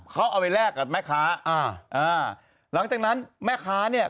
เขาเอาไปแลกกับแม่ค้าอ่าอ่าหลังจากนั้นแม่ค้าเนี่ย